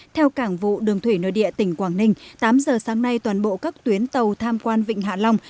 theo cảng vụ đường thủy nơi địa tỉnh quảng ninh tám giờ sáng nay toàn bộ các tuyến tàu tham quan vịnh hạ long